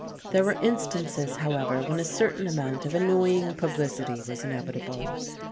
There were instances, however, when a certain amount of annoying publicity was inevitable.